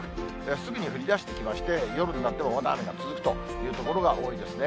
すぐに降りだしてきまして、夜になってもまだ雨が続くという所が多いですね。